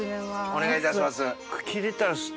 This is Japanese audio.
お願いいたします。